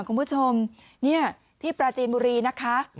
คุณผู้ชมนี่ที่ปราจีนบุรีนะคะ